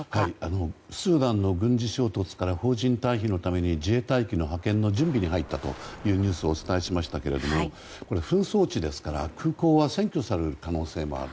スーダンの軍事衝突から邦人退避のために自衛隊機の派遣の準備に入ったというニュースをお伝えしましたけど紛争地ですから空港が占拠される可能性もある。